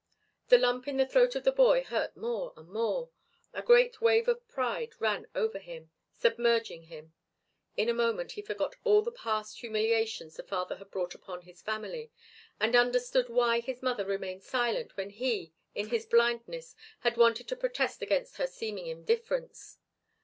The lump in the throat of the boy hurt more and more. A great wave of pride ran over him, submerging him. In a moment he forgot all the past humiliations the father had brought upon his family, and understood why his mother remained silent when he, in his blindness, had wanted to protest against her seeming indifference.